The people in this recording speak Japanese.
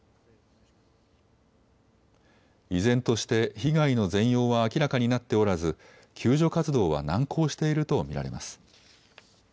依然として被害の全容は明らかになっておらず救助活動は難航していると見られます。